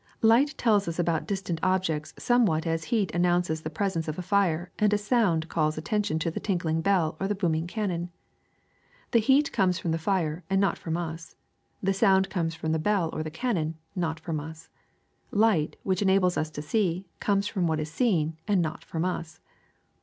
^^ Light tells us about distant objects somewhat as heat announces the presence of a fire and as sound calls attention to the tinkling bell or the booming cannon. The heat comes from the fire and not from us ; the sound comes from the bell or the cannon, not from us. Light, which enables us to see, comes from what is seen and not from us.